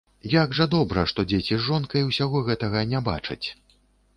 Як жа добра, што дзеці з жонкай усяго гэтага не бачаць.